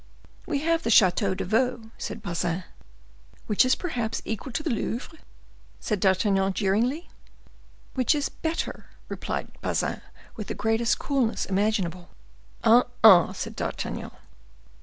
"We have the Chateau de Vaux," said Bazin. "Which is perhaps equal to the Louvre?" said D'Artagnan, jeeringly. "Which is better," replied Bazin, with the greatest coolness imaginable. "Ah, ah!" said D'Artagnan.